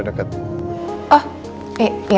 tidak ada yang bisa dikira